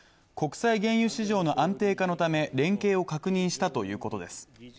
国際原油市場の安定化のため、連携を確認したということです。